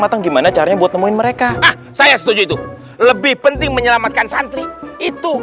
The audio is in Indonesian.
matang gimana caranya buat nemuin mereka ah saya setuju itu lebih penting menyelamatkan santri itu